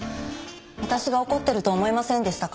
私が怒ってると思いませんでしたか？